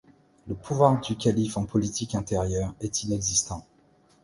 Le pouvoir du calife en politique intérieure est inexistant.